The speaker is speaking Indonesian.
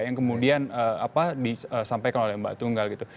yang kemudian disampaikan oleh mbak tunggal gitu